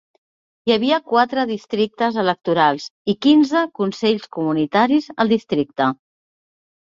Hi havia quatre districtes electorals i quinze consells comunitaris al districte.